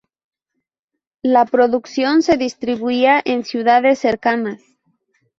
La producción se distribuía en ciudades cercanas.